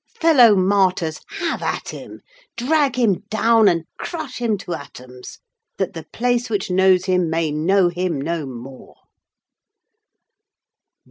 Fellow martyrs, have at him! Drag him down, and crush him to atoms, that the place which knows him may know him no more!"